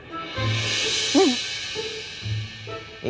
tepuk tangan buat joana